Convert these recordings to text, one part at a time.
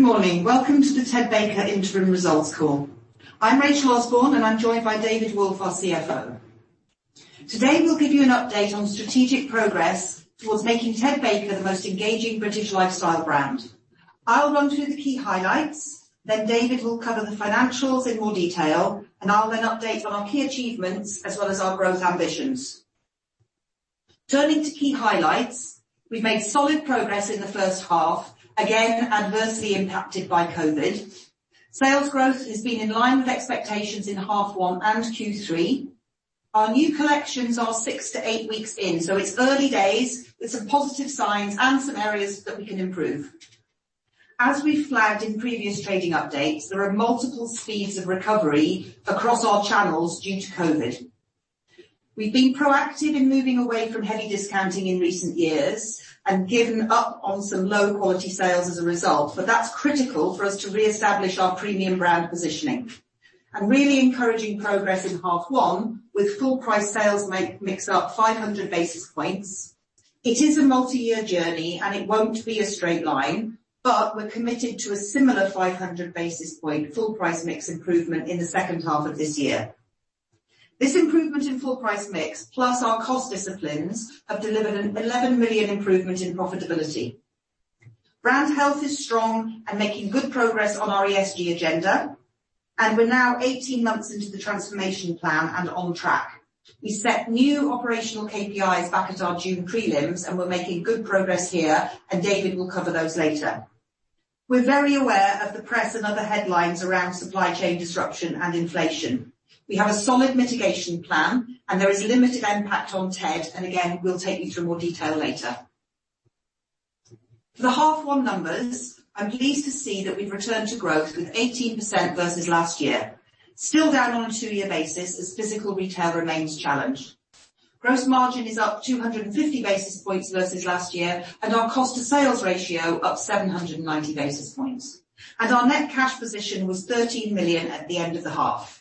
Good morning. Welcome to the Ted Baker Interim Results call. I'm Rachel Osborne, and I'm joined by David Wolffe, our CFO. Today, we'll give you an update on strategic progress towards making Ted Baker the most engaging British lifestyle brand. I'll run through the key highlights, then David will cover the financials in more detail, and I'll then update on our key achievements as well as our growth ambitions. Turning to key highlights, we've made solid progress in the first half, again, adversely impacted by COVID. Sales growth has been in line with expectations in half one and Q3. Our new collections are six to eight weeks in, so it's early days with some positive signs and some areas that we can improve. As we flagged in previous trading updates, there are multiple speeds of recovery across our channels due to COVID. We've been proactive in moving away from heavy discounting in recent years and given up on some low quality sales as a result, but that's critical for us to reestablish our premium brand positioning and really encouraging progress in H1 with full price sales mix up 500 basis points. It is a multi-year journey, and it won't be a straight line, but we're committed to a similar 500 basis point full price mix improvement in the second half of this year. This improvement in full price mix, plus our cost disciplines, have delivered a 11 million improvement in profitability. Brand health is strong and making good progress on our ESG agenda, and we're now 18 months into the transformation plan and on track. We set new operational KPIs back at our June prelims, and we're making good progress here, and David will cover those later. We're very aware of the press and other headlines around supply chain disruption and inflation. We have a solid mitigation plan, and there is limited impact on Ted, and again, we'll take you through more detail later. For the half one numbers, I'm pleased to see that we've returned to growth with 18% versus last year. Still down on a two-year basis as physical retail remains challenged. Gross margin is up 250 basis points versus last year, and our cost to sales ratio up 790 basis points. Our net cash position was 13 million at the end of the half.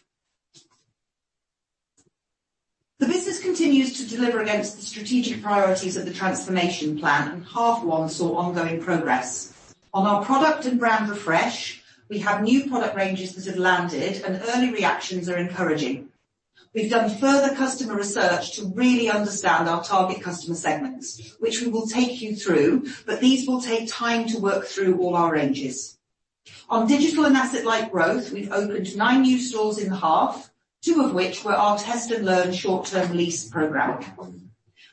The business continues to deliver against the strategic priorities of the transformation plan, and half one saw ongoing progress. On our product and brand refresh, we have new product ranges that have landed, and early reactions are encouraging. We've done further customer research to really understand our target customer segments, which we will take you through, but these will take time to work through all our ranges. On digital and asset light growth, we've opened nine new stores in the half, two of which were our test and learn short-term lease program.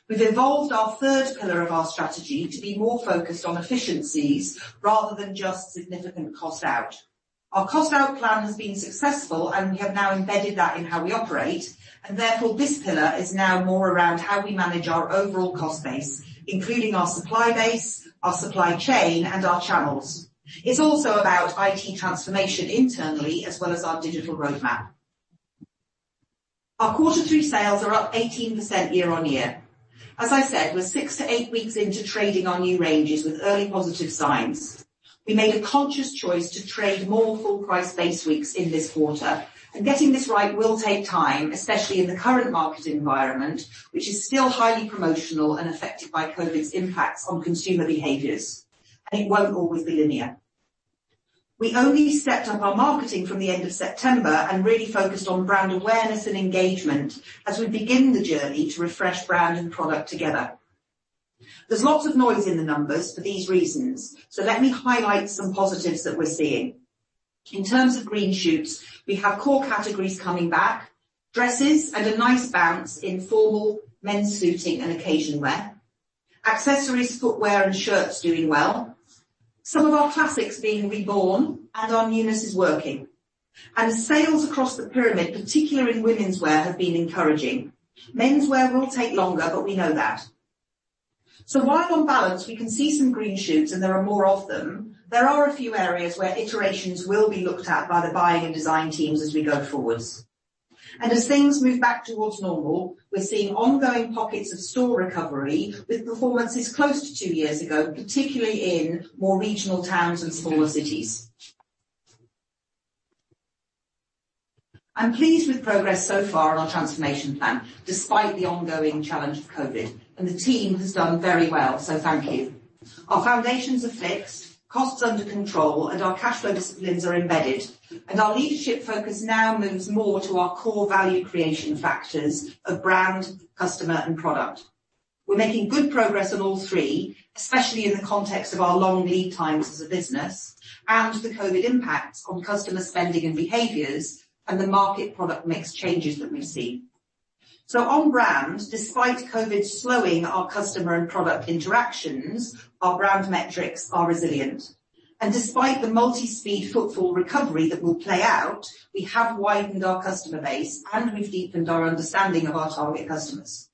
We've evolved our third pillar of our strategy to be more focused on efficiencies rather than just significant cost out. Our cost out plan has been successful, and we have now embedded that in how we operate. Therefore, this pillar is now more around how we manage our overall cost base, including our supply base, our supply chain, and our channels. It's also about IT transformation internally as well as our digital roadmap. Our quarter three sales are up 18% year-on-year. As I said, we're six to eight weeks into trading our new ranges with early positive signs. We made a conscious choice to trade more full price base weeks in this quarter. Getting this right will take time, especially in the current market environment, which is still highly promotional and affected by COVID's impacts on consumer behaviors, and it won't always be linear. We only stepped up our marketing from the end of September and really focused on brand awareness and engagement as we begin the journey to refresh brand and product together. There's lots of noise in the numbers for these reasons, so let me highlight some positives that we're seeing. In terms of green shoots, we have core categories coming back, dresses and a nice bounce in formal men's suiting and occasion wear. Accessories, footwear and shirts doing well. Some of our classics being reborn and our newness is working. Sales across the pyramid, particularly in womenswear, have been encouraging. Menswear will take longer, but we know that. While on balance, we can see some green shoots, and there are more of them, there are a few areas where iterations will be looked at by the buying and design teams as we go forwards. As things move back towards normal, we're seeing ongoing pockets of store recovery with performances close to two years ago, particularly in more regional towns and smaller cities. I'm pleased with progress so far on our transformation plan, despite the ongoing challenge of COVID. The team has done very well, so thank you. Our foundations are fixed, costs are under control, and our cash flow disciplines are embedded. Our leadership focus now moves more to our core value creation factors of brand, customer, and product. We're making good progress on all three, especially in the context of our long lead times as a business and the COVID impact on customer spending and behaviors and the market product mix changes that we've seen. On brand, despite COVID slowing our customer and product interactions, our brand metrics are resilient. Despite the multi-speed footfall recovery that will play out, we have widened our customer base, and we've deepened our understanding of our target customers.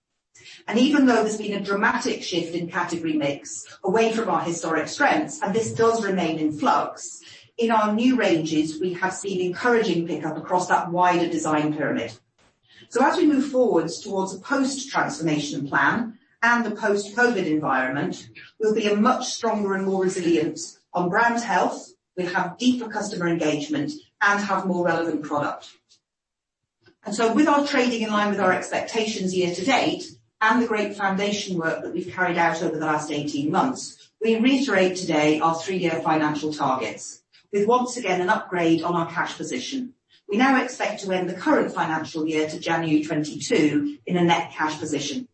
Even though there's been a dramatic shift in category mix away from our historic strengths, and this does remain in flux, in our new ranges, we have seen encouraging pickup across that wider design pyramid. As we move forward towards a post-transformation plan and the post-COVID environment, we'll be a much stronger and more resilient on brand health. We'll have deeper customer engagement and have more relevant product. With our trading in line with our expectations year to date and the great foundation work that we've carried out over the last 18 months, we reiterate today our three-year financial targets with once again an upgrade on our cash position. We now expect to end the current financial year to January 2022 in a net cash position.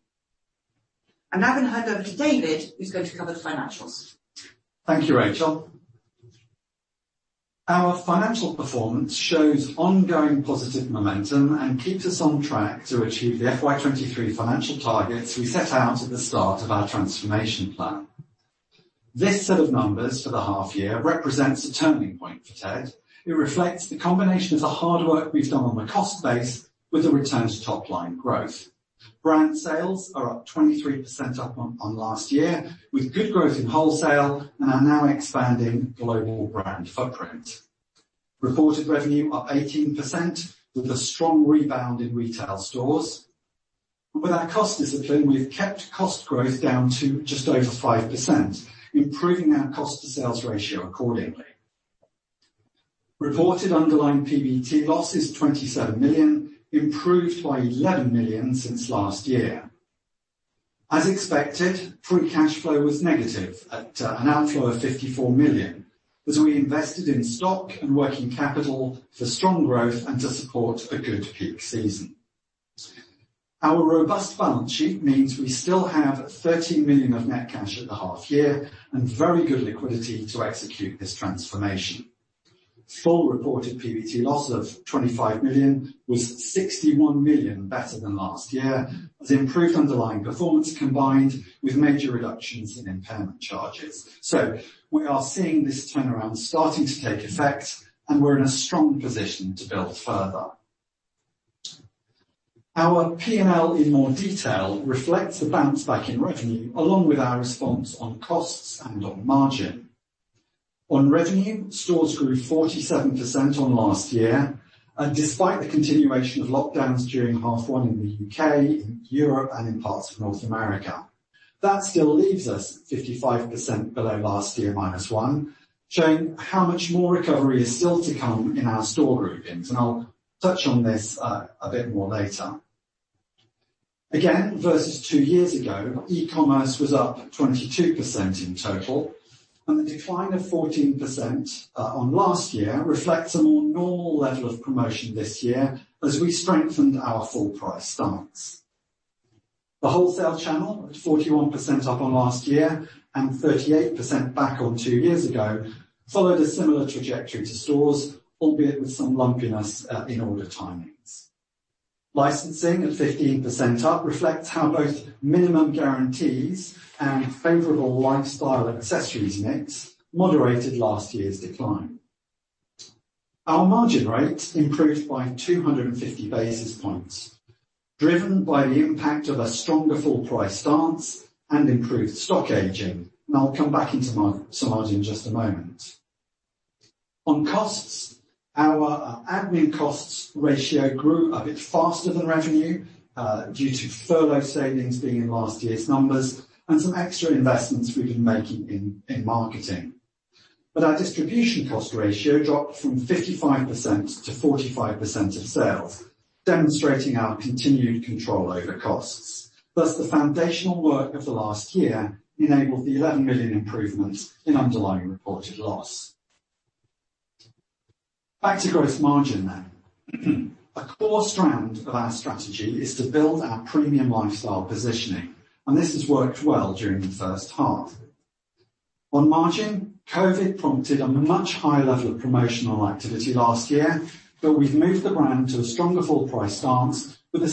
I'm now gonna hand over to David, who's going to cover the financials. Thank you, Rachel. Our financial performance shows ongoing positive momentum and keeps us on track to achieve the FY 2023 financial targets we set out at the start of our transformation plan. This set of numbers for the half year represents a turning point for Ted. It reflects the combination of the hard work we've done on the cost base with a return to top-line growth. Brand sales are up 23% on last year, with good growth in wholesale and are now expanding global brand footprint. Reported revenue up 18% with a strong rebound in retail stores. With our cost discipline, we've kept cost growth down to just over 5%, improving our cost to sales ratio accordingly. Reported underlying PBT loss is 27 million, improved by 11 million since last year. As expected, free cash flow was negative at an outflow of 54 million, as we invested in stock and working capital for strong growth and to support a good peak season. Our robust balance sheet means we still have 13 million of net cash at the half year and very good liquidity to execute this transformation. Full reported PBT loss of 25 million was 61 million better than last year, as improved underlying performance combined with major reductions in impairment charges. We are seeing this turnaround starting to take effect, and we're in a strong position to build further. Our P&L in more detail reflects a bounce back in revenue, along with our response on costs and on margin. On revenue, stores grew 47% on last year, and despite the continuation of lockdowns during H1 in the U.K., in Europe and in parts of North America, that still leaves us 55% below last year minus one, showing how much more recovery is still to come in our store groupings, and I'll touch on this a bit more later. Again, versus two years ago, e-commerce was up 22% in total, and the decline of 14% on last year reflects a more normal level of promotion this year as we strengthened our full price stance. The wholesale channel at 41% up on last year and 38% back on two years ago followed a similar trajectory to stores, albeit with some lumpiness in order timings. Licensing at 15% up reflects how both minimum guarantees and favorable lifestyle accessories mix moderated last year's decline. Our margin rate improved by 250 basis points, driven by the impact of a stronger full price stance and improved stock aging. I'll come back to margin in just a moment. On costs, our admin costs ratio grew a bit faster than revenue, due to furlough savings being in last year's numbers and some extra investments we've been making in marketing. Our distribution cost ratio dropped from 55% to 45% of sales, demonstrating our continued control over costs. Thus, the foundational work of the last year enabled the 11 million improvements in underlying reported loss. Back to gross margin then. A core strand of our strategy is to build our premium lifestyle positioning, and this has worked well during the first half. On margin, COVID prompted a much higher level of promotional activity last year, but we've moved the brand to a stronger full price stance with a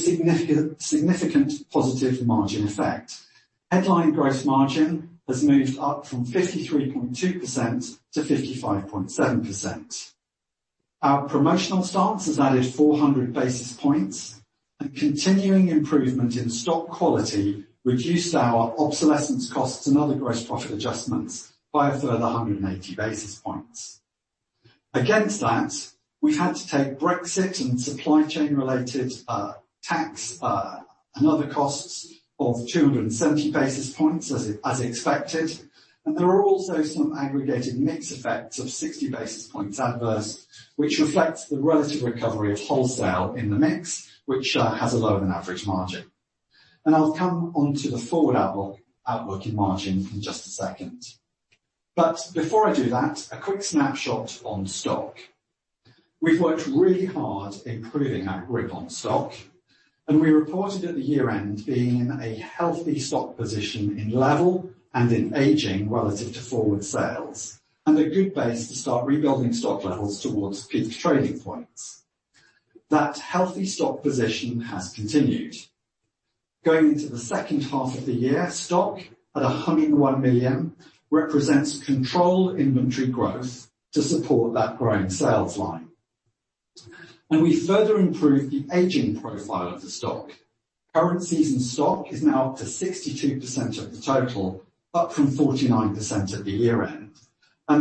significant positive margin effect. Headline gross margin has moved up from 53.2% to 55.7%. Our promotional stance has added 400 basis points, and continuing improvement in stock quality reduced our obsolescence costs and other gross profit adjustments by a further 180 basis points. Against that, we've had to take Brexit and supply chain related tax and other costs of 270 basis points as expected. There are also some aggregated mix effects of 60 basis points adverse, which reflects the relative recovery of wholesale in the mix, which has a lower than average margin. I'll come onto the forward outlook in margin in just a second. Before I do that, a quick snapshot on stock. We've worked really hard improving our grip on stock, and we reported at the year-end being in a healthy stock position in level and in aging relative to forward sales, and a good base to start rebuilding stock levels towards peak trading points. That healthy stock position has continued. Going into the second half of the year, stock at 101 million represents controlled inventory growth to support that growing sales line. We further improved the aging profile of the stock. Current season stock is now up to 62% of the total, up from 49% at the year-end.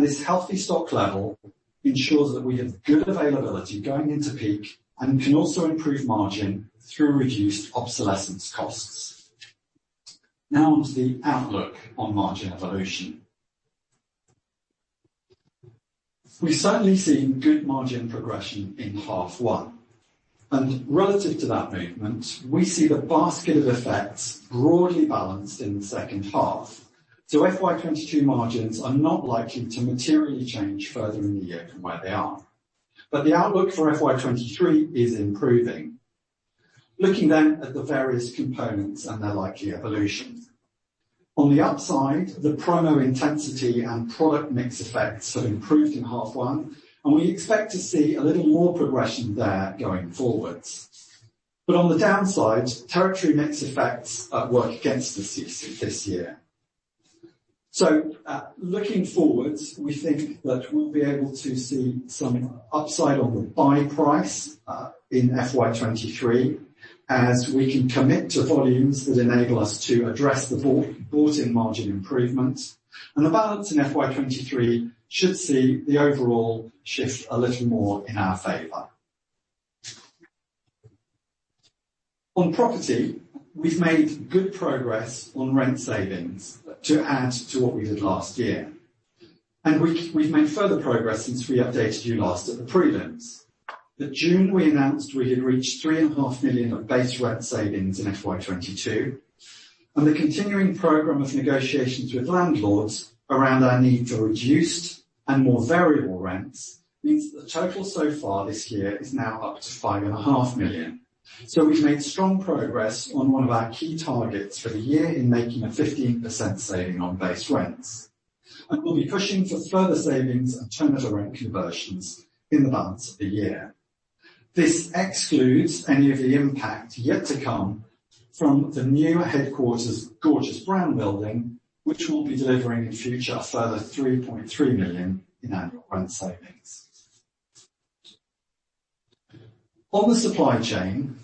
This healthy stock level ensures that we have good availability going into peak and can also improve margin through reduced obsolescence costs. Now on to the outlook on margin evolution. We've certainly seen good margin progression in half one, and relative to that movement, we see the basket of effects broadly balanced in the second half. FY 2022 margins are not likely to materially change further in the year from where they are. The outlook for FY 2023 is improving. Looking at the various components and their likely evolution. On the upside, the promo intensity and product mix effects have improved in half one, and we expect to see a little more progression there going forwards. On the downside, territory mix effects work against us this year. Looking forwards, we think that we'll be able to see some upside on the buy price in FY 2023 as we can commit to volumes that enable us to address the bought-in margin improvements. The balance in FY 2023 should see the overall shift a little more in our favor. On property, we've made good progress on rent savings to add to what we did last year. We've made further progress since we updated you last at the prelims. That June, we announced we had reached 3.5 million of base rent savings in FY 2022, and the continuing program of negotiations with landlords around our need for reduced and more variable rents means that the total so far this year is now up to 5.5 million. We've made strong progress on one of our key targets for the year in making a 15% saving on base rents. We'll be pushing for further savings and turnover rent conversions in the balance of the year. This excludes any of the impact yet to come from the new headquarters Gorgeous Brown Building, which will be delivering in future a further 3.3 million in annual rent savings. On the supply chain,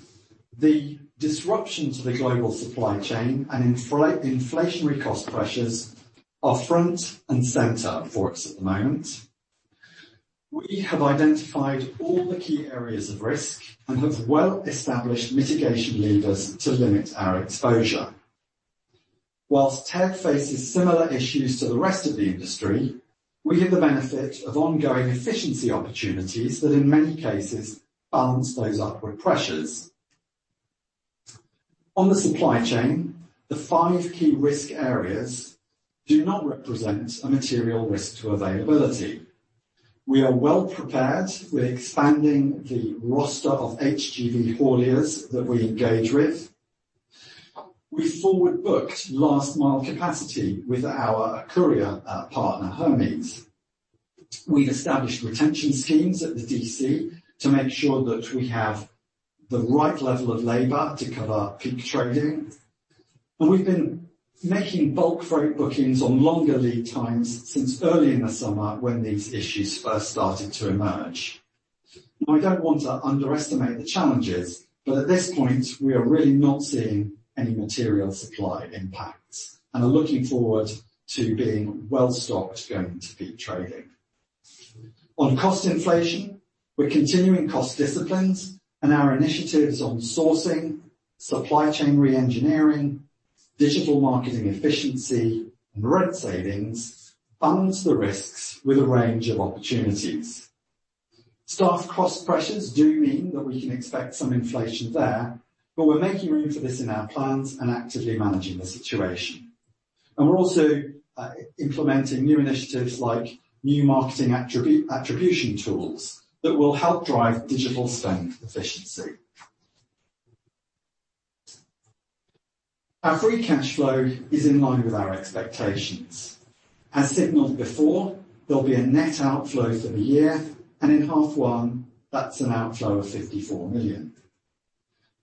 the disruption to the global supply chain and inflationary cost pressures are front and center for us at the moment. We have identified all the key areas of risk and have well-established mitigation levers to limit our exposure. While Ted faces similar issues to the rest of the industry, we have the benefit of ongoing efficiency opportunities that, in many cases, balance those upward pressures. On the supply chain, the five key risk areas do not represent a material risk to availability. We are well prepared. We're expanding the roster of HGV hauliers that we engage with. We forward-booked last mile capacity with our courier partner, Hermes. We established retention schemes at the DC to make sure that we have the right level of labor to cover peak trading. We've been making bulk freight bookings on longer lead times since early in the summer when these issues first started to emerge. We don't want to underestimate the challenges, but at this point, we are really not seeing any material supply impacts and are looking forward to being well stocked going into peak trading. On cost inflation, we're continuing cost disciplines and our initiatives on sourcing, supply chain reengineering, digital marketing efficiency, and rent savings balance the risks with a range of opportunities. Staff cost pressures do mean that we can expect some inflation there, but we're making room for this in our plans and actively managing the situation. We're also implementing new initiatives like new marketing attribution tools that will help drive digital spend efficiency. Our free cash flow is in line with our expectations. As signaled before, there'll be a net outflow for the year, and in half one, that's an outflow of 54 million.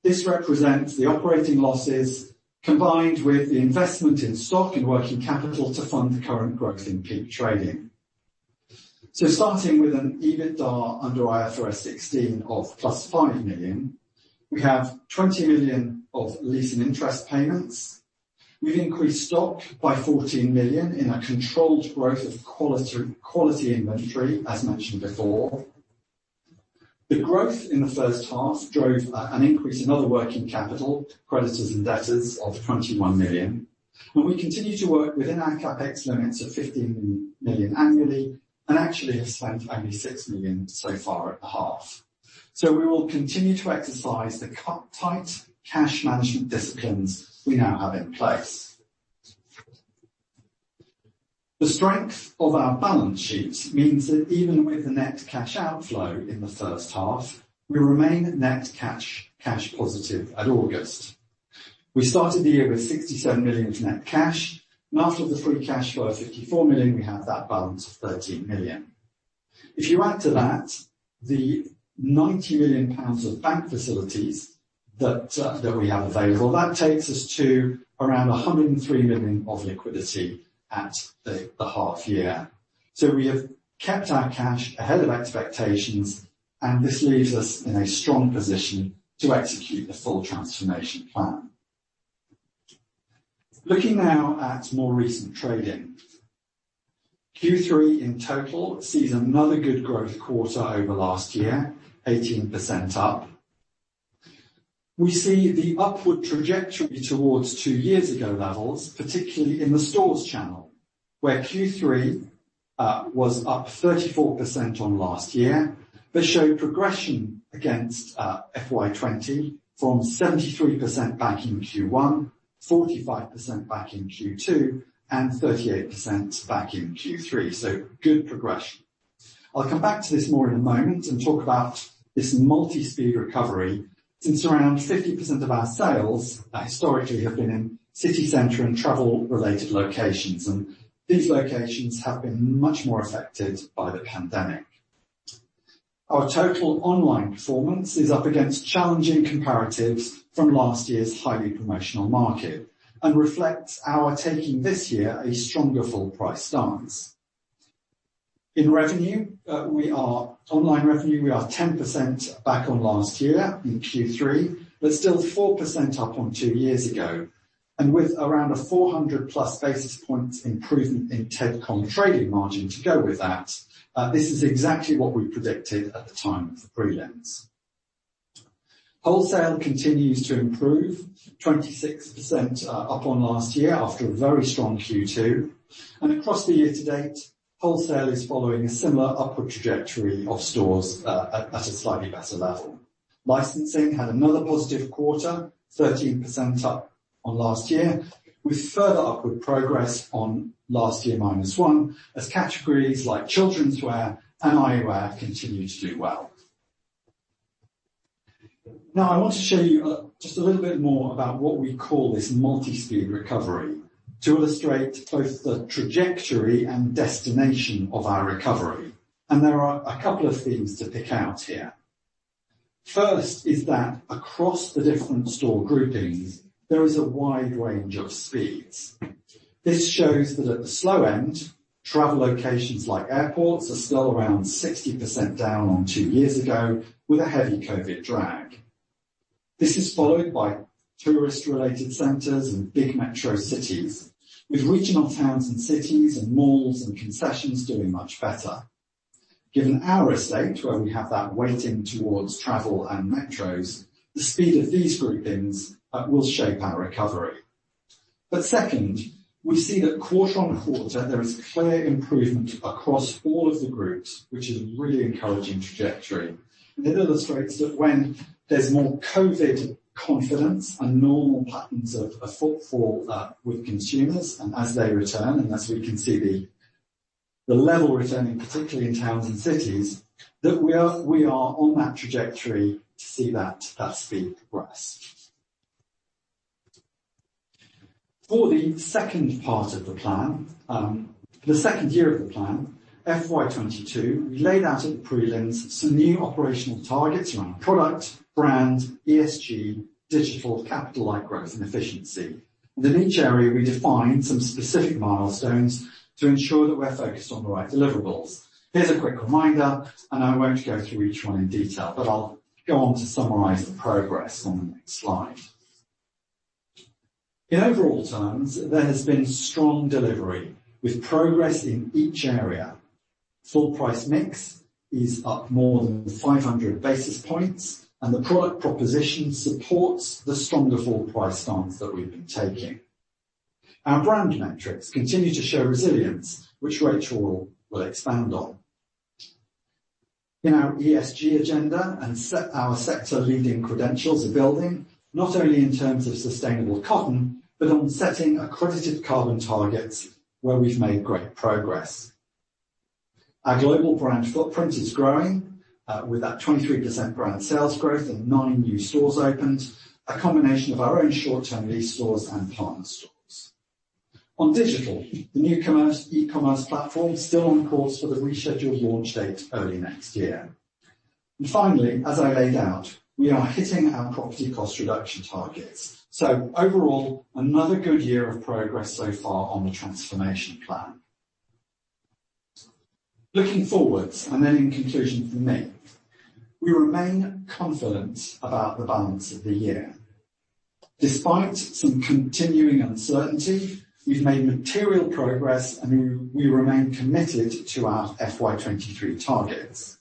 This represents the operating losses combined with the investment in stock and working capital to fund the current growth in peak trading. Starting with an EBITDA under IFRS 16 of plus 5 million, we have 20 million of leasing interest payments. We've increased stock by 14 million in a controlled growth of quality inventory, as mentioned before. The growth in the first half drove an increase in other working capital, creditors and debtors of 21 million. We continue to work within our CapEx limits of 15 million annually and actually have spent only 6 million so far at the half. We will continue to exercise the tight cash management disciplines we now have in place. The strength of our balance sheets means that even with the net cash outflow in the first half, we remain net cash positive at August. We started the year with 67 million net cash, and after the free cash flow of 54 million, we have that balance of 13 million. If you add to that the 90 million pounds of bank facilities that we have available, that takes us to around 103 million of liquidity at the half year. We have kept our cash ahead of expectations, and this leaves us in a strong position to execute the full transformation plan. Looking now at more recent trading. Q3 in total sees another good growth quarter over last year, 18% up. We see the upward trajectory towards two years ago levels, particularly in the stores channel, where Q3 was up 34% on last year, but showed progression against FY 2020 from 73% back in Q1, 45% back in Q2, and 38% back in Q3. Good progression. I'll come back to this more in a moment and talk about this multi-speed recovery since around 50% of our sales historically have been in city center and travel-related locations, and these locations have been much more affected by the pandemic. Our total online performance is up against challenging comparatives from last year's highly promotional market and reflects our taking this year a stronger full price stance. In revenue, we are. Online revenue, we are 10% back on last year in Q3, but still 4% up on two years ago, and with around a 400+ basis points improvement in ted.com trading margin to go with that, this is exactly what we predicted at the time of the prelims. Wholesale continues to improve, 26% up on last year after a very strong Q2. Across the year to date, wholesale is following a similar upward trajectory of stores at a slightly better level. Licensing had another positive quarter, 13% up on last year, with further upward progress on last year minus one as categories like childrenswear and eyewear continue to do well. Now, I want to show you just a little bit more about what we call this multi-speed recovery to illustrate both the trajectory and destination of our recovery. There are a couple of themes to pick out here. First is that across the different store groupings, there is a wide range of speeds. This shows that at the slow end, travel locations like airports are still around 60% down on two years ago with a heavy COVID drag. This is followed by tourist-related centers and big metro cities, with regional towns and cities and malls and concessions doing much better. Given our estate, where we have that weighting towards travel and metros, the speed of these groupings will shape our recovery. Second, we see that quarter-on-quarter there is clear improvement across all of the groups, which is a really encouraging trajectory. It illustrates that when there's more COVID confidence and normal patterns of footfall with consumers and as they return, and as we can see the level returning, particularly in towns and cities, that we are on that trajectory to see that speedy progress. For the second part of the plan, the second year of the plan, FY 2022, we laid out at the prelims some new operational targets around product, brand, ESG, digital, capital light growth and efficiency. In each area, we defined some specific milestones to ensure that we're focused on the right deliverables. Here's a quick reminder, and I won't go through each one in detail, but I'll go on to summarize the progress on the next slide. In overall terms, there has been strong delivery with progress in each area. Full price mix is up more than 500 basis points and the product proposition supports the stronger full price stance that we've been taking. Our brand metrics continue to show resilience, which Rachel will expand on. In our ESG agenda our sector-leading credentials are building not only in terms of sustainable cotton, but on setting accredited carbon targets where we've made great progress. Our global brand footprint is growing with that 23% brand sales growth and nine new stores opened, a combination of our own short-term lease stores and partner stores. On digital, the new e-commerce platform is still on course for the rescheduled launch date early next year. Finally, as I laid out, we are hitting our property cost reduction targets. Overall, another good year of progress so far on the transformation plan. Looking forwards, and then in conclusion from me, we remain confident about the balance of the year. Despite some continuing uncertainty, we've made material progress and we remain committed to our FY 2023 targets.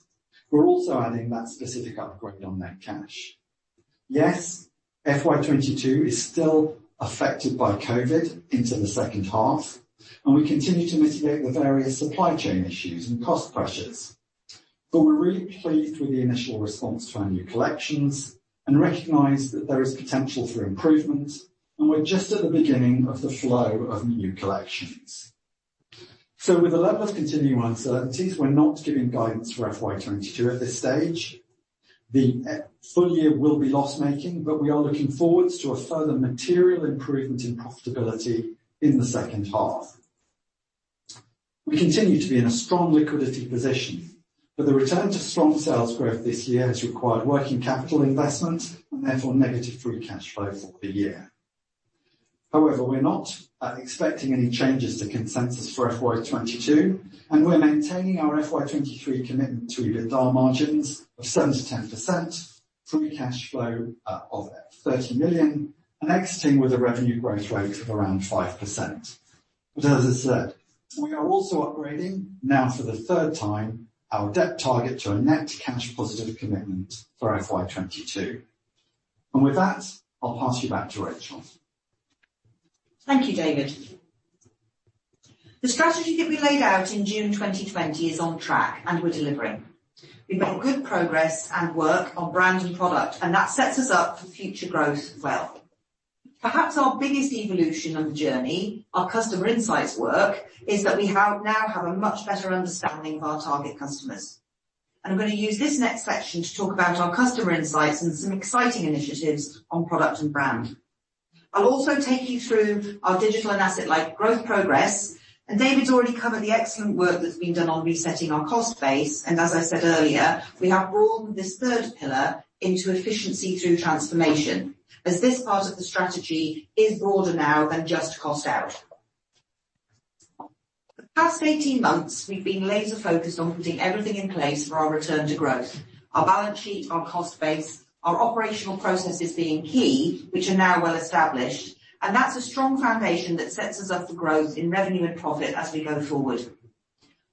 We're also adding that specific upgrade on net cash. Yes, FY 2022 is still affected by COVID into the second half, and we continue to mitigate the various supply chain issues and cost pressures. We're really pleased with the initial response to our new collections and recognize that there is potential for improvement, and we're just at the beginning of the flow of new collections. With the level of continuing uncertainties, we're not giving guidance for FY 2022 at this stage. The full year will be loss-making, but we are looking forwards to a further material improvement in profitability in the second half. We continue to be in a strong liquidity position, but the return to strong sales growth this year has required working capital investment and therefore negative free cash flow for the year. However, we're not expecting any changes to consensus for FY 2022, and we're maintaining our FY 2023 commitment to EBITDA margins of 7%-10%, free cash flow of 30 million, and exiting with a revenue growth rate of around 5%. As I said, we are also upgrading now for the third time our debt target to a net cash positive commitment for FY 2022. With that, I'll pass you back to Rachel. Thank you, David. The strategy that we laid out in June 2020 is on track and we're delivering. We've made good progress and work on brand and product, and that sets us up for future growth well. Perhaps our biggest evolution of the journey, our customer insights work, is that we now have a much better understanding of our target customers. I'm gonna use this next section to talk about our customer insights and some exciting initiatives on product and brand. I'll also take you through our digital and asset-light growth progress, and David's already covered the excellent work that's been done on resetting our cost base. As I said earlier, we have broadened this third pillar into efficiency through transformation, as this part of the strategy is broader now than just cost out. The past 18 months, we've been laser-focused on putting everything in place for our return to growth. Our balance sheet, our cost base, our operational processes being key, which are now well established. That's a strong foundation that sets us up for growth in revenue and profit as we go forward.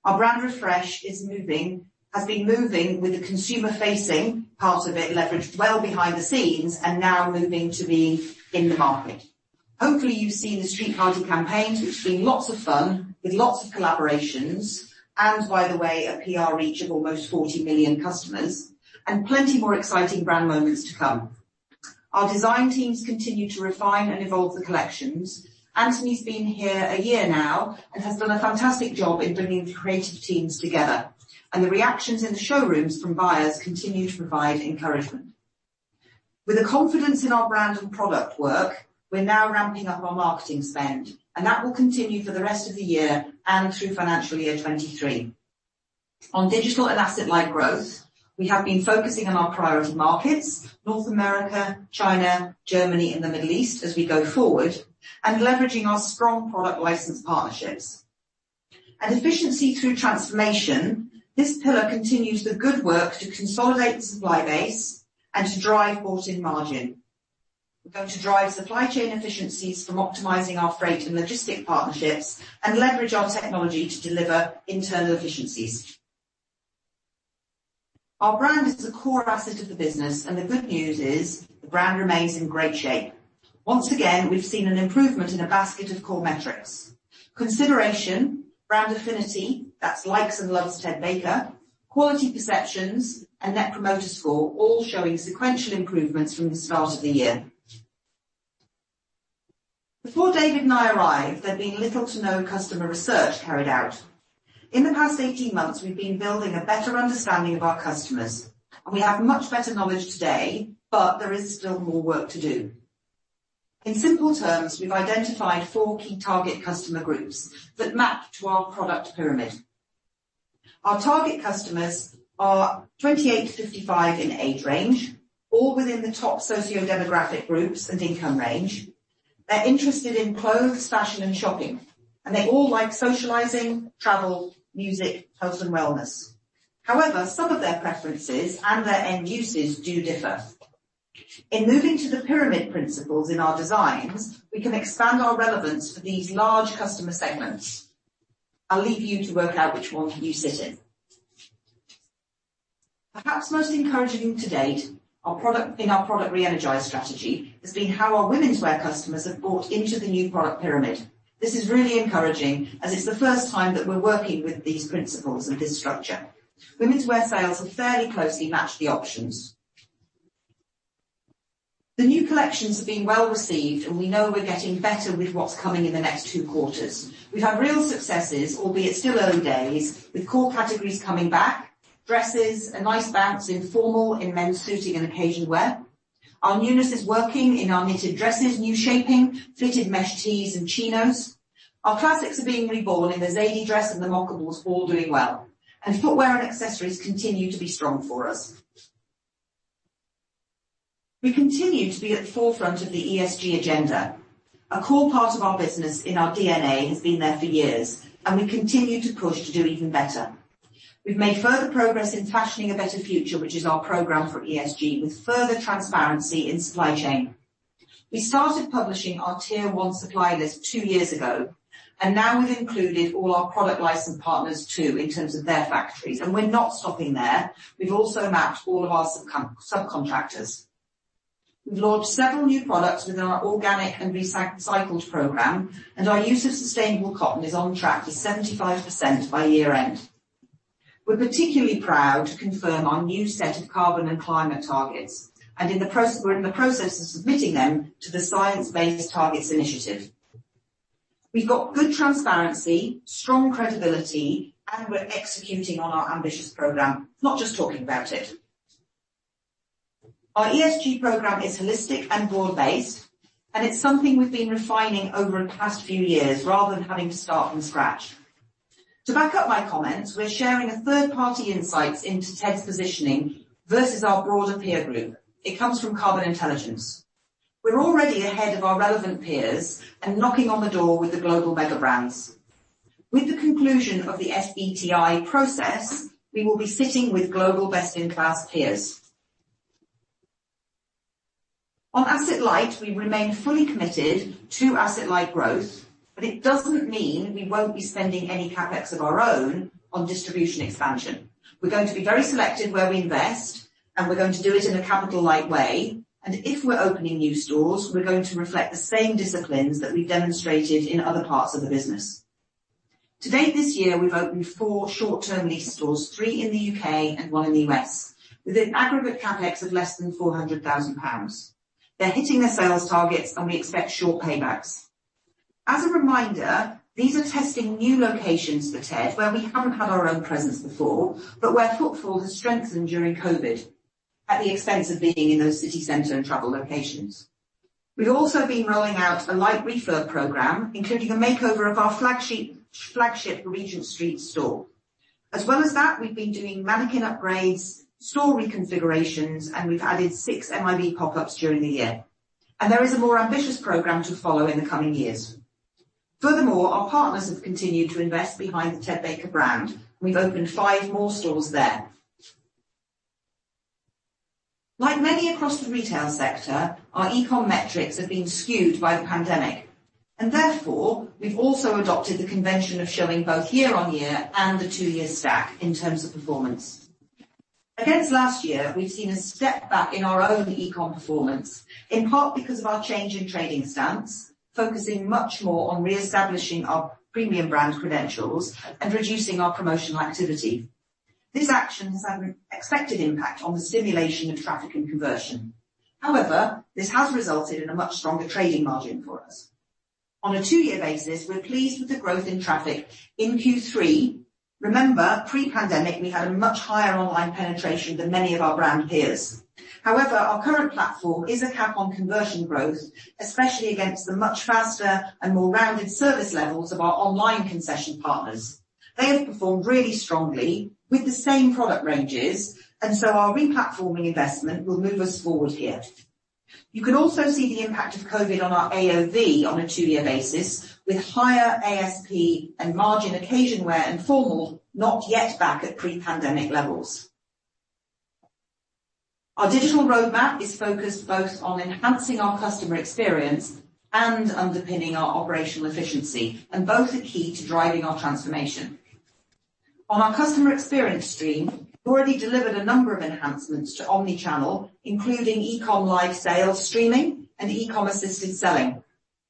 Our brand refresh has been moving with the consumer-facing part of it leveraged well behind the scenes and now moving to being in the market. Hopefully, you've seen the Street Party Sessions. It's been lots of fun with lots of collaborations, and by the way, a PR reach of almost 40 million customers and plenty more exciting brand moments to come. Our design teams continue to refine and evolve the collections. Anthony's been here a year now and has done a fantastic job in bringing the creative teams together, and the reactions in the showrooms from buyers continue to provide encouragement. With the confidence in our brand and product work, we're now ramping up our marketing spend, and that will continue for the rest of the year and through financial year 2023. On digital and asset-like growth, we have been focusing on our priority markets, North America, China, Germany, and the Middle East as we go forward, and leveraging our strong product license partnerships. Efficiency through transformation, this pillar continues the good work to consolidate the supply base and to drive bought-in margin. We're going to drive supply chain efficiencies from optimizing our freight and logistic partnerships and leverage our technology to deliver internal efficiencies. Our brand is the core asset of the business, and the good news is the brand remains in great shape. Once again, we've seen an improvement in a basket of core metrics. Consideration, brand affinity, that's likes and loves Ted Baker, quality perceptions, and Net Promoter Score all showing sequential improvements from the start of the year. Before David and I arrived, there'd been little to no customer research carried out. In the past 18 months, we've been building a better understanding of our customers, and we have much better knowledge today, but there is still more work to do. In simple terms, we've identified four key target customer groups that map to our product pyramid. Our target customers are 28-55 in age range, all within the top socio-demographic groups and income range. They're interested in clothes, fashion and shopping, and they all like socializing, travel, music, health and wellness. However, some of their preferences and their end uses do differ. In moving to the pyramid principles in our designs, we can expand our relevance for these large customer segments. I'll leave you to work out which one you sit in. Perhaps most encouraging to date, in our product re-energize strategy, has been how our womenswear customers have bought into the new product pyramid. This is really encouraging as it's the first time that we're working with these principles and this structure. Womenswear sales have fairly closely matched the options. The new collections have been well-received, and we know we're getting better with what's coming in the next two quarters. We've had real successes, albeit still early days, with core categories coming back, dresses, a nice bounce in formal, in men's suiting and occasion wear. Our newness is working in our knitted dresses, new shaping, fitted mesh tees and chinos. Our classics are being reborn in the Zadie dress and the Mockable all doing well, and footwear and accessories continue to be strong for us. We continue to be at the forefront of the ESG agenda. A core part of our business in our DNA has been there for years, and we continue to push to do even better. We've made further progress in Fashioning a Better Future, which is our program for ESG, with further transparency in supply chain. We started publishing our tier one supplier list two years ago, and now we've included all our product license partners too in terms of their factories, and we're not stopping there. We've also mapped all of our subcontractors. We've launched several new products within our organic and recycled program, and our use of sustainable cotton is on track to 75% by year-end. We're particularly proud to confirm our new set of carbon and climate targets, and we're in the process of submitting them to the Science Based Targets initiative. We've got good transparency, strong credibility, and we're executing on our ambitious program, not just talking about it. Our ESG program is holistic and broad-based, and it's something we've been refining over the past few years rather than having to start from scratch. To back up my comments, we're sharing a third-party insights into Ted's positioning versus our broader peer group. It comes from Carbon Intelligence. We're already ahead of our relevant peers and knocking on the door with the global mega brands. With the conclusion of the SBTI process, we will be sitting with global best-in-class peers. On asset light, we remain fully committed to asset light growth, but it doesn't mean we won't be spending any CapEx of our own on distribution expansion. We're going to be very selective where we invest, and we're going to do it in a capital light way. If we're opening new stores, we're going to reflect the same disciplines that we've demonstrated in other parts of the business. To date this year, we've opened four short-term lease stores, three in the U.K. and one in the U.S., with an aggregate CapEx of less than 400,000 pounds. They're hitting their sales targets, and we expect short paybacks. As a reminder, these are testing new locations for Ted, where we haven't had our own presence before, but where footfall has strengthened during COVID at the expense of being in those city center and travel locations. We've also been rolling out a light refurb program, including the makeover of our flagship Regent Street store. As well as that, we've been doing mannequin upgrades, store reconfigurations, and we've added six MiB pop-ups during the year. There is a more ambitious program to follow in the coming years. Furthermore, our partners have continued to invest behind the Ted Baker brand. We've opened five more stores there. Like many across the retail sector, our e-com metrics have been skewed by the pandemic, and therefore, we've also adopted the convention of showing both year-on-year and the two-year stack in terms of performance. Against last year, we've seen a step back in our own e-com performance, in part because of our change in trading stance, focusing much more on reestablishing our premium brand credentials and reducing our promotional activity. This action has had an expected impact on the stimulation of traffic and conversion. However, this has resulted in a much stronger trading margin for us. On a two-year basis, we're pleased with the growth in traffic in Q3. Remember, pre-pandemic, we had a much higher online penetration than many of our brand peers. However, our current platform is a cap on conversion growth, especially against the much faster and more rounded service levels of our online concession partners. They have performed really strongly with the same product ranges, so our replatforming investment will move us forward here. You can also see the impact of COVID on our AOV on a two-year basis with higher ASP and margin, occasion wear informal, not yet back at pre-pandemic levels. Our digital roadmap is focused both on enhancing our customer experience and underpinning our operational efficiency, and both are key to driving our transformation. On our customer experience stream, we already delivered a number of enhancements to omni-channel, including e-com live sales streaming and e-com assisted selling.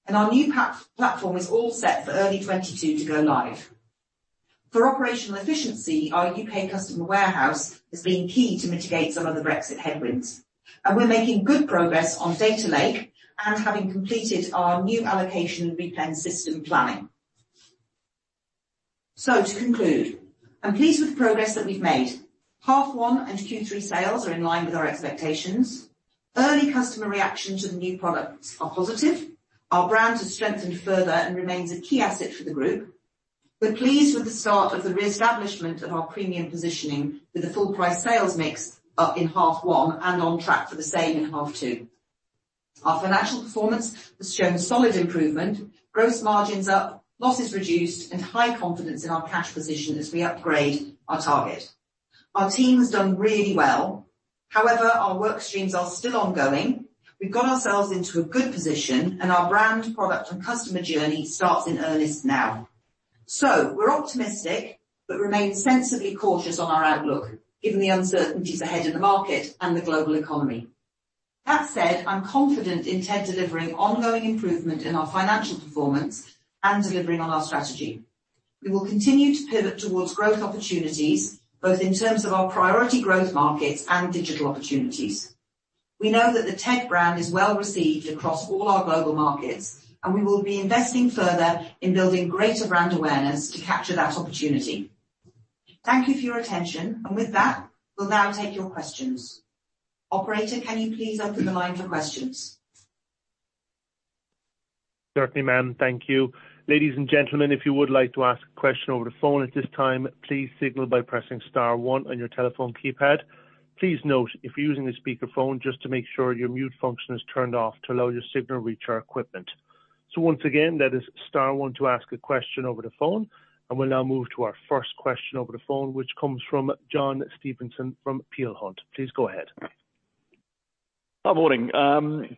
Our new platform is all set for early 2022 to go live. For operational efficiency, our U.K. customer warehouse has been key to mitigate some of the Brexit headwinds, and we're making good progress on data lake and having completed our new allocation replenishment system planning. To conclude, I'm pleased with the progress that we've made. Half one and Q3 sales are in line with our expectations. Early customer reaction to the new products are positive. Our brand has strengthened further and remains a key asset for the group. We're pleased with the start of the reestablishment of our premium positioning with the full price sales mix up in half one and on track for the same in half two. Our financial performance has shown solid improvement, gross margins up, losses reduced, and high confidence in our cash position as we upgrade our target. Our team's done really well. However, our work streams are still ongoing. We've got ourselves into a good position and our brand, product and customer journey starts in earnest now. We're optimistic but remain sensibly cautious on our outlook, given the uncertainties ahead in the market and the global economy. That said, I'm confident in Ted delivering ongoing improvement in our financial performance and delivering on our strategy. We will continue to pivot towards growth opportunities, both in terms of our priority growth markets and digital opportunities. We know that the Ted brand is well received across all our global markets, and we will be investing further in building greater brand awareness to capture that opportunity. Thank you for your attention. With that, we'll now take your questions. Operator, can you please open the line for questions? Certainly, ma'am. Thank you. Ladies and gentlemen, if you would like to ask a question over the phone at this time, please signal by pressing star one on your telephone keypad. Please note, if you're using a speaker phone, just to make sure your mute function is turned off to allow your signal to reach our equipment. Once again, that is star one to ask a question over the phone. We'll now move to our first question over the phone, which comes from John Stevenson from Peel Hunt. Please go ahead. Hi, morning.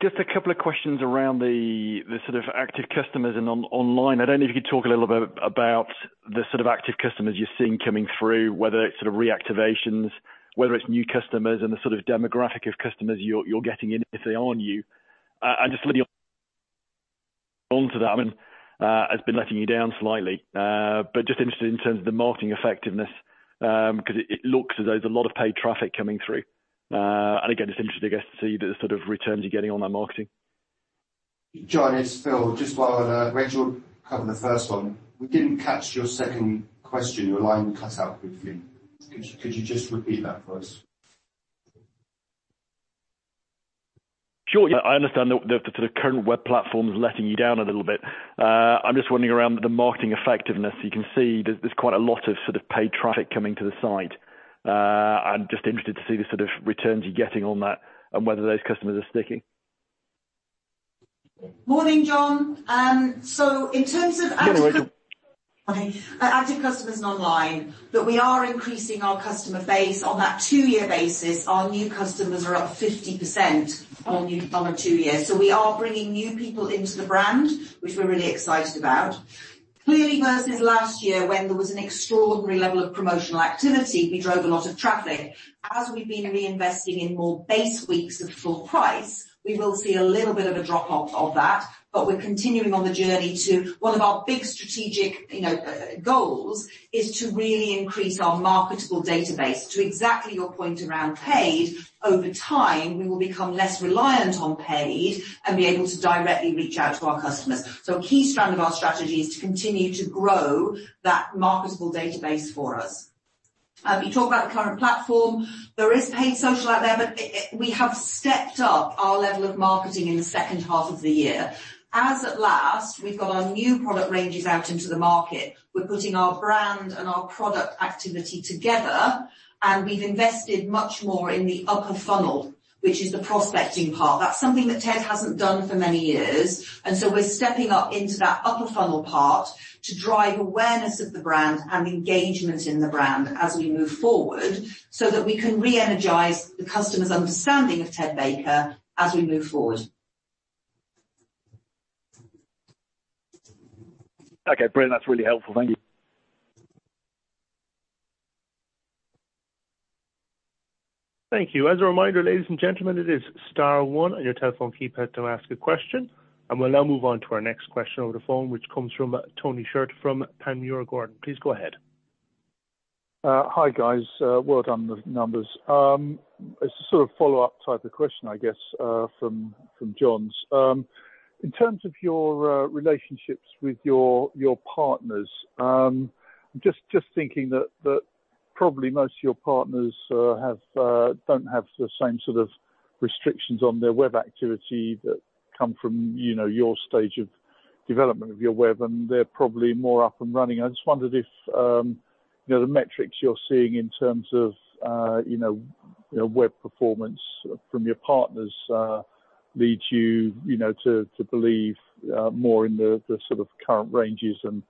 Just a couple of questions around the sort of active customers and online. I don't know if you could talk a little bit about the sort of active customers you're seeing coming through, whether it's sort of reactivations, whether it's new customers and the sort of demographic of customers you're getting initially online. Just whether you're onto that, I mean, has been letting you down slightly. Just interested in terms of the marketing effectiveness, 'cause it looks as though there's a lot of paid traffic coming through. Again, just interested, I guess, to see the sort of returns you're getting on that marketing. John, it's Phil. Just while Rachel cover the first one, we didn't catch your second question. Your line cut out quickly. Could you just repeat that for us? Sure. Yeah, I understand the sort of current web platform is letting you down a little bit. I'm just wondering about the marketing effectiveness. You can see there's quite a lot of sort of paid traffic coming to the site. I'm just interested to see the sort of returns you're getting on that and whether those customers are sticking. Morning, John. In terms of active- Can you wait? Okay. Active customers and online, that we are increasing our customer base on that two-year basis. Our new customers are up 50% on a two-year. We are bringing new people into the brand, which we're really excited about. Clearly, versus last year, when there was an extraordinary level of promotional activity, we drove a lot of traffic. As we've been reinvesting in more base weeks of full price, we will see a little bit of a drop-off of that. We're continuing on the journey to one of our big strategic, you know, goals is to really increase our marketable database. To exactly your point around paid, over time, we will become less reliant on paid and be able to directly reach out to our customers. A key strand of our strategy is to continue to grow that marketable database for us. You talk about the current platform. There is paid social out there, but we have stepped up our level of marketing in the second half of the year. At last, we've got our new product ranges out into the market. We're putting our brand and our product activity together, and we've invested much more in the upper funnel, which is the prospecting part. That's something that Ted hasn't done for many years, and so we're stepping up into that upper funnel part to drive awareness of the brand and engagement in the brand as we move forward, so that we can re-energize the customer's understanding of Ted Baker as we move forward. Okay, brilliant. That's really helpful. Thank you. Thank you. As a reminder, ladies and gentlemen, it is star one on your telephone keypad to ask a question. We'll now move on to our next question over the phone, which comes from Tony Shiret from Panmure Gordon. Please go ahead. Hi, guys. Well done on the numbers. It's a sort of follow-up type of question, I guess, from John's. In terms of your relationships with your partners, just thinking that that probably most of your partners don't have the same sort of restrictions on their web activity that come from, you know, your stage of development of your web, and they're probably more up and running. I just wondered if you know, the metrics you're seeing in terms of you know, web performance from your partners lead you know, to believe more in the sort of current ranges and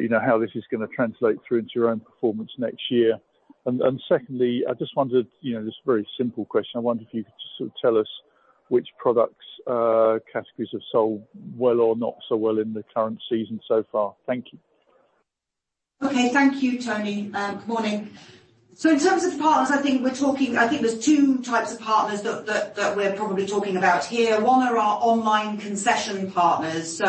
you know, how this is gonna translate through into your own performance next year. Secondly, I just wondered you know, just a very simple question. I wonder if you could just sort of tell us which products, categories have sold well or not so well in the current season so far. Thank you. Okay. Thank you, Tony. Good morning. In terms of partners, I think we're talking. I think there's two types of partners that we're probably talking about here. One are our online concession partners.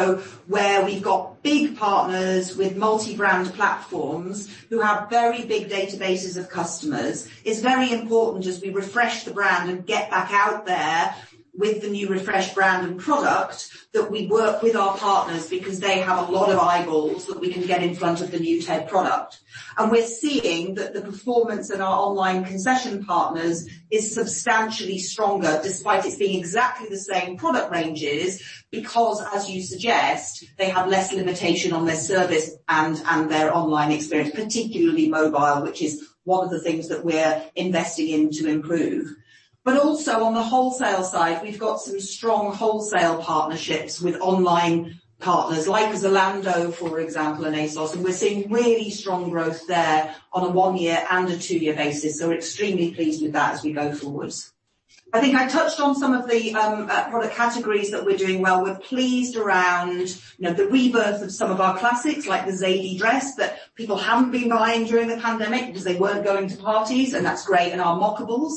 Where we've got big partners with multi-brand platforms who have very big databases of customers. It's very important as we refresh the brand and get back out there with the new refreshed brand and product, that we work with our partners because they have a lot of eyeballs that we can get in front of the new Ted product. We're seeing that the performance in our online concession partners is substantially stronger despite it being exactly the same product ranges because, as you suggest, they have less limitation on their service and their online experience, particularly mobile, which is one of the things that we're investing in to improve. Also on the wholesale side, we've got some strong wholesale partnerships with online partners like Zalando, for example, and ASOS. We're seeing really strong growth there on a one-year and a two-year basis. We're extremely pleased with that as we go forwards. I think I touched on some of the product categories that we're doing well. We're pleased around, you know, the rebirth of some of our classics, like the Zadie dress that people haven't been buying during the pandemic because they weren't going to parties, and that's great, and our Mockable.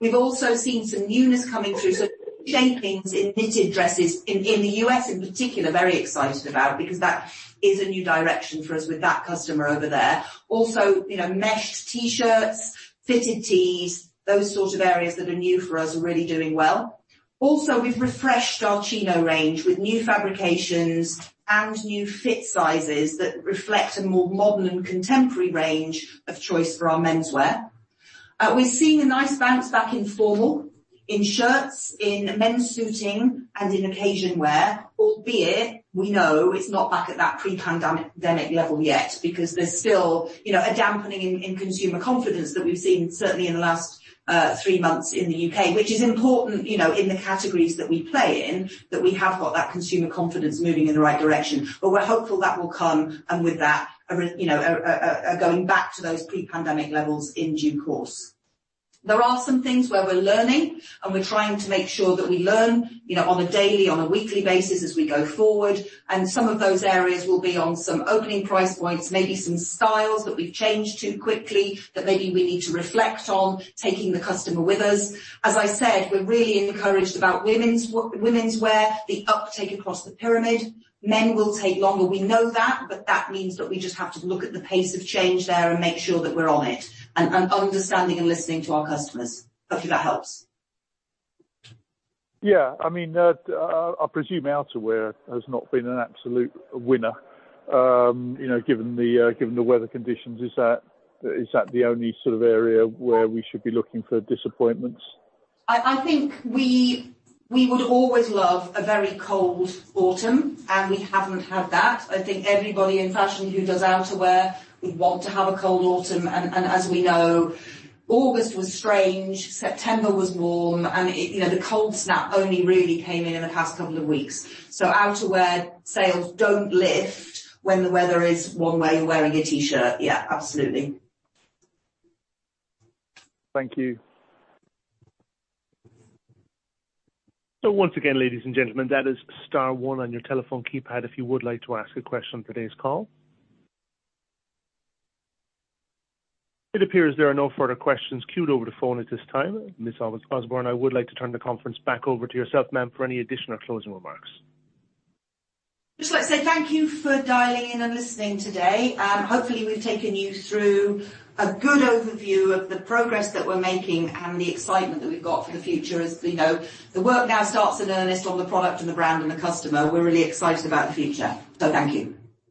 We've also seen some newness coming through, so shapings in knitted dresses in the U.S. in particular, very excited about because that is a new direction for us with that customer over there. Also, you know, mesh T-shirts, fitted tees, those sort of areas that are new for us are really doing well. Also, we've refreshed our Chino range with new fabrications and new fit sizes that reflect a more modern and contemporary range of choice for our menswear. We're seeing a nice bounce back in formal, in shirts, in men's suiting, and in occasion wear, albeit we know it's not back at that pre-pandemic level yet because there's still, you know, a dampening in consumer confidence that we've seen certainly in the last three months in the UK. Which is important, you know, in the categories that we play in, that we have got that consumer confidence moving in the right direction. But we're hopeful that will come and with that, you know, a going back to those pre-pandemic levels in due course. There are some things where we're learning, and we're trying to make sure that we learn, you know, on a daily, on a weekly basis as we go forward. Some of those areas will be on some opening price points, maybe some styles that we've changed too quickly that maybe we need to reflect on taking the customer with us. As I said, we're really encouraged about women's wear, the uptake across the pyramid. Men will take longer. We know that, but that means that we just have to look at the pace of change there and make sure that we're on it, understanding and listening to our customers. Hopefully that helps. Yeah. I mean, I presume outerwear has not been an absolute winner, you know, given the weather conditions. Is that the only sort of area where we should be looking for disappointments? I think we would always love a very cold autumn, and we haven't had that. I think everybody in fashion who does outerwear would want to have a cold autumn. As we know, August was strange, September was warm, and it, you know, the cold snap only really came in in the past couple of weeks. Outerwear sales don't lift when the weather is warm where you're wearing a T-shirt. Yeah, absolutely. Thank you. Once again, ladies and gentlemen, that is star one on your telephone keypad, if you would like to ask a question on today's call. It appears there are no further questions queued over the phone at this time. Miss Rachel Osborne, I would like to turn the conference back over to yourself, ma'am, for any additional closing remarks. just like to say thank you for dialing in and listening today. Hopefully, we've taken you through a good overview of the progress that we're making and the excitement that we've got for the future. As we know, the work now starts in earnest on the product and the brand and the customer. We're really excited about the future. Thank you.